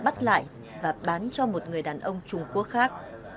bắt lại và bán cho một người đàn ông trung quốc khác